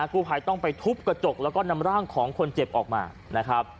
กู้ภัยต้องไปทุบกระจกแล้วก็นำร่างของคนเจ็บออกมานะครับ